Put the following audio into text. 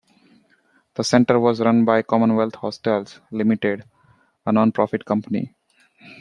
The centre was run by Commonwealth Hostels Limited, a non-profit company.